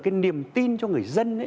cái niềm tin cho người dân